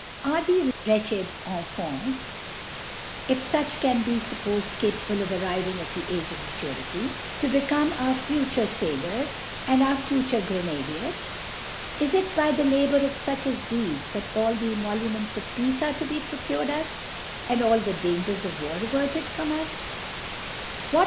,Arc thtffc wrejch^d (Infants .(if fucji can be fuppolcd capabjc, of arriving at the Age of Mamrity) ,to becoine our fu ture Sailpis, and our future Qrcn^diers? Is it by the Labour, of fuch as thtfe, chat all th<r Emoluments, of Ptacc are to be procured us» and ^ii the D^angers of War averted from US'?